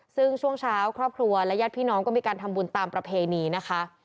ซึ่งช่วงเช้าครอบครัวและญาติพี่น้องก็มีการทำบุญตามประเพณีนะคะ